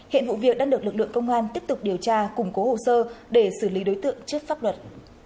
hiện vụ việc đang được lực lượng công an tiếp tục điều tra củng cố hồ sơ để xử lý đối tượng trước pháp luật